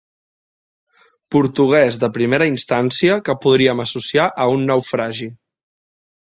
Portuguès de primera instància que podríem associar a un naufragi.